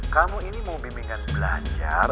kamu ini mau bimbingan belajar